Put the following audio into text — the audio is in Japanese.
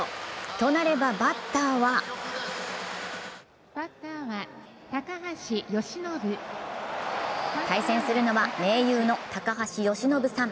となれば、バッターは対戦するのは盟友の高橋由伸さん。